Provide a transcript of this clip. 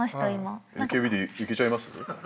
ＡＫＢでいけちゃいます？